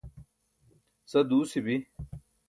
sa duusi bi